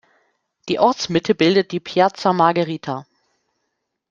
Die Ortsmitte bildet die Piazza Margherita.